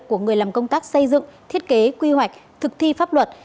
của người làm công tác xây dựng thiết kế quy hoạch thực thi pháp luật